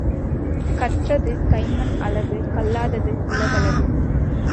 கற்றது கைம்மண்ணளவு கல்லாதது உலகளவு.